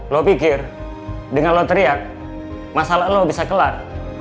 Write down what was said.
lo pikir dengan lo teriak masalah lo bisa kelar